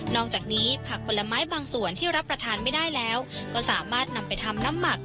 อกจากนี้ผักผลไม้บางส่วนที่รับประทานไม่ได้แล้วก็สามารถนำไปทำน้ำหมัก